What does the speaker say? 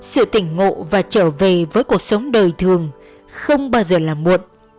sự tỉnh ngộ và trở về với cuộc sống đời thường không bao giờ là muộn